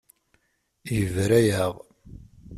Yebra-yaɣ.